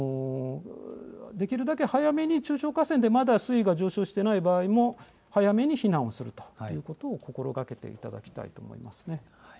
できるだけ早めに中小河川でまだ水位が上昇してない場合も、早めに避難をするということを心がけていただきたいと思いますね。